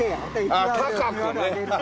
ああ高くね。